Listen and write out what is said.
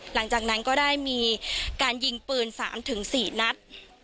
หลังจากนั้นก็ได้มีการยิงปืน๓๔นัด